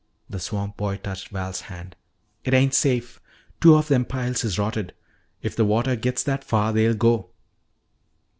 The swamp boy touched Val's hand. "It ain't safe. Two of them piles is rotted. If the watah gits that far, they'll go."